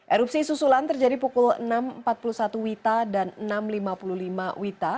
erupsi susulan terjadi pukul enam empat puluh satu wita dan enam lima puluh lima wita